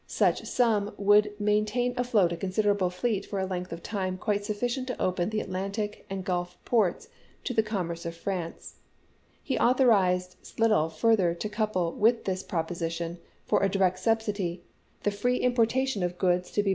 Such sum would maintain afloat a considerable fleet for a length of time quite sufficient to open the Atlantic and Gulf ports to the commerce of France." He authorized SlideU further to couple with this proposition for a MEDIATION DECLINED 79 direct subsidy, the free importation of goods to be chap. iv.